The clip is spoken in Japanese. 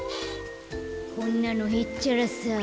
こんなのへっちゃらさ。